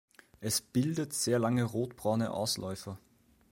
Es bildet sehr lange rotbraune Ausläufer.